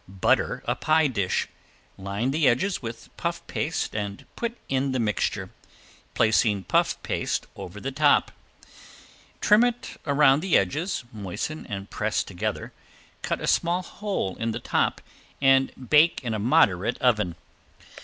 Butter a pie dish, line the edges with puff paste and put in the mixture, placing puff paste over the top. Trim it around the edges, moisten and press together, cut a small hole in the top, and bake in a moderate oven.